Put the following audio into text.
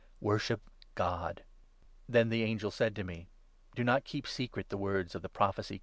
Worship God.' Then the angel said to me —' Do not keep secret the words 10 22 Amos 4.